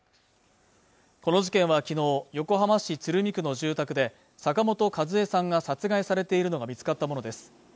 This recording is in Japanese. この事件はきのう横浜市鶴見区の住宅で坂本数江さんが殺害されているのが見つかったものです